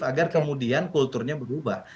agar kemudian kulturnya berubah